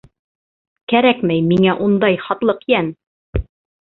Кәрәкмәй миңә ундай һатлыҡ йән!